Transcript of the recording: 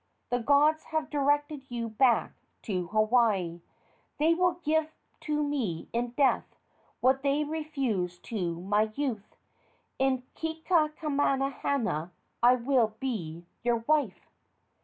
The gods have directed you back to Hawaii. They will give to me in death what they refused to my youth. In Keakamahana I will be your wife!"